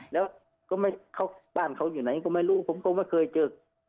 แล้วก็บ้านเขาอยู่ไหนก็ไม่รู้ผมก็ไม่เคยเจอ